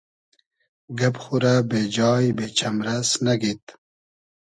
گئب خورۂ بې جای , بې چئمرئس نئگید